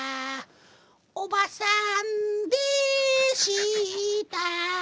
「おばさんでした」